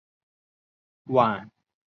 万历四十年壬子科广东乡试第一名举人。